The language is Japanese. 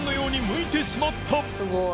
すごい。